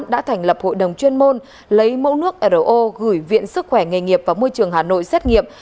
đã thành lập hội đồng chuyên môn lấy mẫu nước ro gửi viện sức khỏe nghề nghiệp và môi trường hà nội xét nghiệm